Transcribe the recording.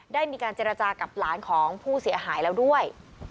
ได้มีการเจรจากับหลานของผู้เสียหายแล้วด้วย